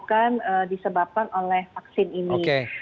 akan disebabkan oleh vaksin ini